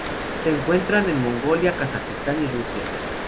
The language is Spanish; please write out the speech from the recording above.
Se encuentra en Mongolia, Kazajistán y Rusia.